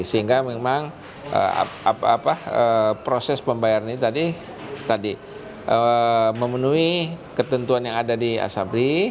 sehingga memang proses pembayarannya tadi memenuhi ketentuan yang ada di asapri